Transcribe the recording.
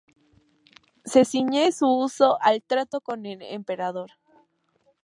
Se ciñe su uso al trato con el emperador.